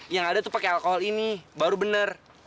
yang ada tuh pake alkohol ini baru bener